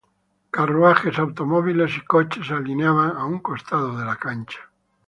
Carruajes, automóviles y coches se alineaban a un costado de la cancha.